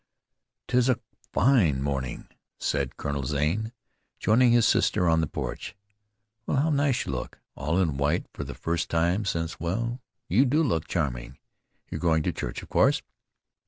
"'Tis a fine morning," said Colonel Zane, joining his sister on the porch. "Well, how nice you look! All in white for the first time since well, you do look charming. You're going to church, of course."